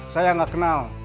saya gak kenal